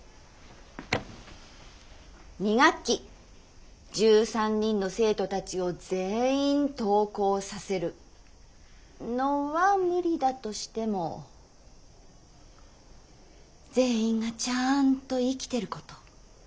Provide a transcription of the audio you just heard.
２学期１３人の生徒たちを全員登校させるのは無理だとしても全員がちゃんと生きてること。